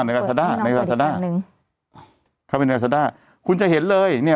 ในราซาดาในราซาดาเข้าไปในราซาดาคุณจะเห็นเลยเนี้ย